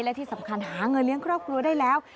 และที่สำคัญหาเงินเลี้ยงครอบครัวได้แล้ว